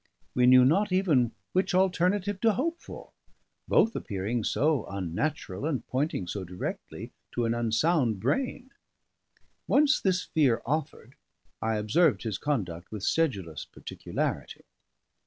We knew not even which alternative to hope for, both appearing so unnatural, and pointing so directly to an unsound brain. Once this fear offered, I observed his conduct with sedulous particularity.